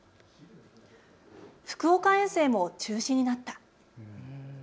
福岡遠征も中止になった。